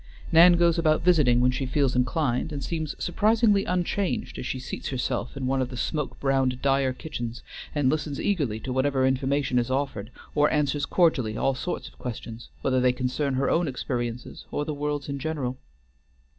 Nan goes about visiting when she feels inclined, and seems surprisingly unchanged as she seats herself in one of the smoke browned Dyer kitchens, and listens eagerly to whatever information is offered, or answers cordially all sorts of questions, whether they concern her own experiences or the world's in general.